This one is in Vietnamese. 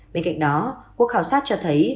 bên cạnh đó quốc khảo sát cho thấy